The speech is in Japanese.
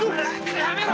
やめろ！